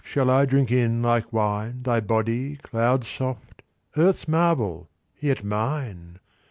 Shall I drink in, like wine, Thy body cloud soft, Earth's marvel, yet mine